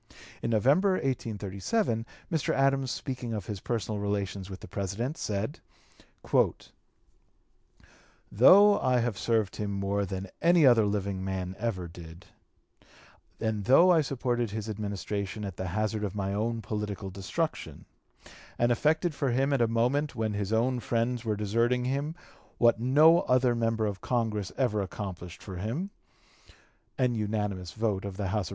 In November, 1837, Mr. Adams, speaking of his personal relations with the President, said: "Though I had served him more than any other living man ever did, and though I supported his Administration at the hazard of my own political destruction, and effected for him at a moment when his own friends were deserting him what no other member of Congress ever accomplished for him an unanimous vote of the House of (p.